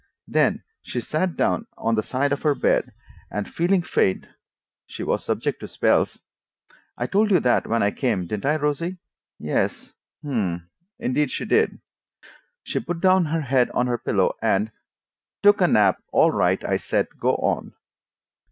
Then she sat down on the side of her bed, and, feeling faint—she was subject to spells—("I told you that when I came, didn't I, Rosie?" "Yes'm, indeed she did!")—she put her head down on her pillow and— "Took a nap. All right!" I said. "Go on."